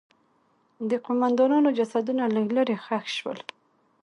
د قوماندانانو جسدونه لږ لرې ښخ شول.